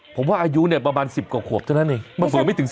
ผมว่าอายุประมาณ๑๐กว่าขวบเท่านั้นเองมันเผื่อไม่ถึง๑๕